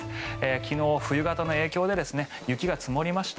昨日、冬型の影響で雪が積もりました。